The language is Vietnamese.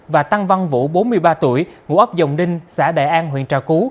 và tăng văn vũ bốn mươi ba tuổi ngũ ấp dòng đinh xã đại an huyện trà cú